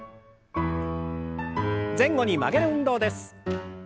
前後に曲げる運動です。